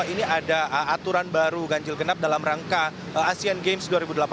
ini ada aturan baru ganjil genap dalam rangka asean games dua ribu delapan belas